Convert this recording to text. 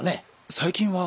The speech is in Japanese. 最近は？